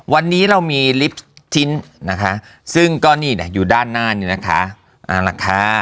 วันนี้เรามีลิปส์ทิ้นนะคะซึ่งก็นี่อยู่ด้านหน้านี้นะคะ